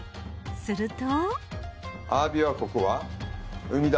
すると。